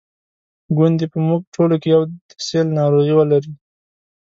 ګوندي په موږ ټولو کې یو د سِل ناروغي ولري.